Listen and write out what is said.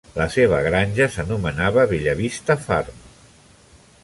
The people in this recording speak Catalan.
La seva granja s'anomenava 'Bella Vista Farm'.